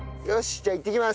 じゃあいってきます。